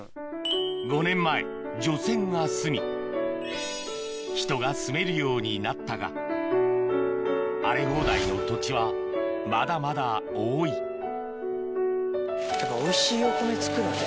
５年前除染が済み人が住めるようになったが荒れ放題の土地はまだまだ多い大変だよ